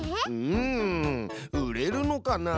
うん売れるのかな？